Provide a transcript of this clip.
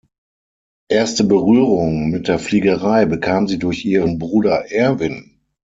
Erste Berührung mit der Fliegerei bekam sie durch ihren Bruder Erwin.